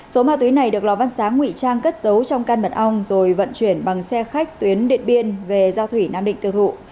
số ma túy này được lò văn sáng ngụy trang cất giấu trong căn mật ong rồi vận chuyển bằng xe khách tuyến điện biên về giao thủy nam định tiêu thụ